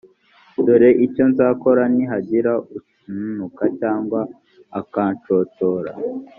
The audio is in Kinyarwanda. dore icyo nzakora nihagira untuka cyangwa akanshotora